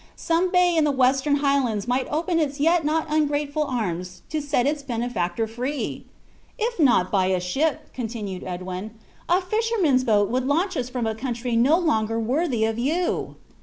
Some bay in the Western Highlands might open its yet not ungrateful arms to set its benefactor free! "If not by a ship," continued Edwin, "a fisher's boat will launch us from a country no longer worthy of you!"